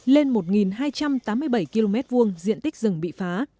lên một hai trăm tám mươi bảy km hai diện tích rừng bị phá